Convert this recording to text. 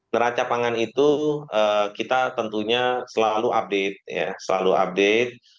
neraca pangan itu kita tentunya selalu update ya selalu update